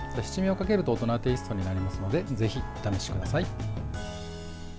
七味をかけると大人テイストになりますのでぜひ、お試しください。